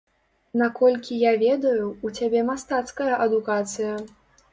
Наколькі я ведаю, у цябе мастацкая адукацыя.